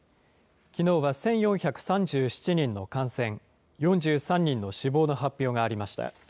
きのうは１４３７人の感染、４３人の死亡の発表がありました。